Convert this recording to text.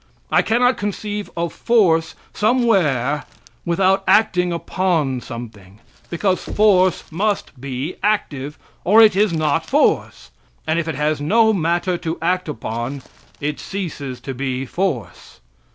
I cannot conceive of force somewhere without acting upon something; because force must be active, or it is not force; and if it has no matter to act upon, it ceases to be force.